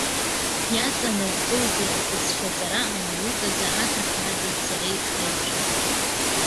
Иаҵанакӡозеи абызшәаҵара анауказы аҭаҳмадеи сареи ҳаиқәшәара?